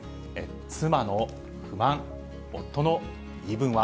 妻の不満、夫の言い分は？